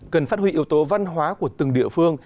cần phát huy yếu tố văn hóa của từng địa phương